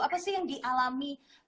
apa sih yang dialami